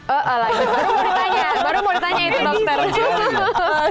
oh baru mau ditanya baru mau ditanya itu dokter